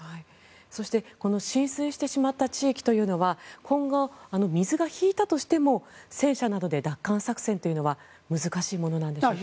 そして浸水してしまった地域というのは今後、水が引いたとしても戦車などで奪還作戦というのは難しいものなんでしょうか。